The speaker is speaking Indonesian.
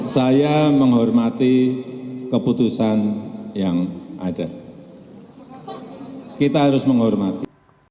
saya menghormati keputusan yang ada kita harus menghormati